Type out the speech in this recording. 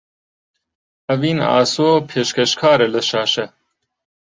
ئەڤین ئاسۆ پێشکەشکارە لە شاشە